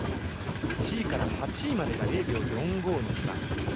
１位から８位までが０秒４５の差。